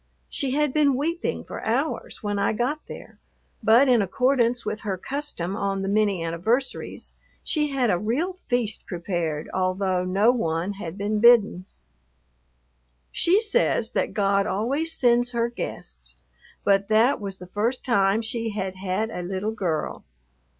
She had been weeping for hours when I got there, but in accordance with her custom on the many anniversaries, she had a real feast prepared, although no one had been bidden. She says that God always sends her guests, but that was the first time she had had a little girl.